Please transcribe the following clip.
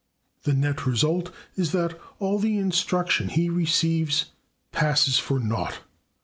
The net result is that all the instruction he receives passes for naught.